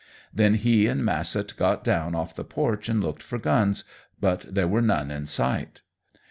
Then he and Massett got down off the porch and looked for guns, but there were none in sight.